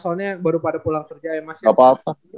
soalnya baru pada pulang kerja ya mas ya